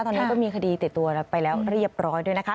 ตอนนี้ก็มีคดีติดตัวไปแล้วเรียบร้อยด้วยนะคะ